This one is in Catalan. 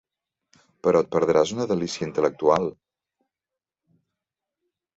Però et perdràs una delícia intel·lectual.